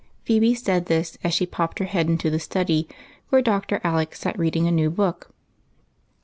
Phebe said this as she popped her head into the study, where Dr. Alec sat reading a new book.